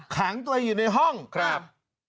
ขังตัวเองอยู่ในห้องครับ